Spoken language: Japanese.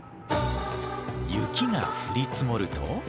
雪が降り積もると。